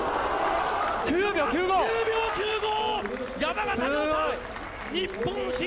９秒９５！